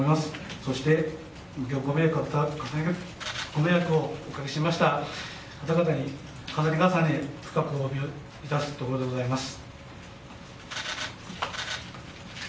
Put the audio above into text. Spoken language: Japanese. そしてご迷惑をおかけしました皆様に深くお詫びいたすところでございます。